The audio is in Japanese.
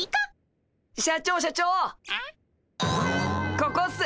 ここっす。